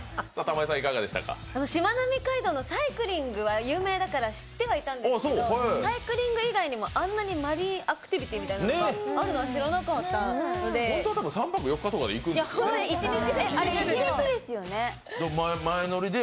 しまなみ海道のサイクリングは有名だから知ってはいたんですけどサイクリング以外にもあんなにマリンアクティビティーがあるのは知らなかったので。